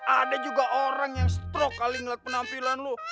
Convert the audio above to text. ada juga orang yang stroke kali ngeliat penampilan lu